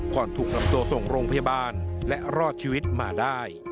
ถูกนำตัวส่งโรงพยาบาลและรอดชีวิตมาได้